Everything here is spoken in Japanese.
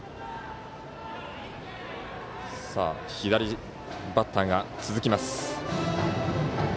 左バッターが続きます。